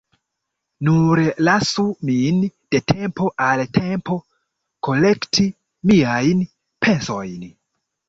Nur lasu min de tempo al tempo kolekti miajn pensojn.